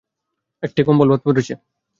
একটা কম্ব বাদ পড়েছে।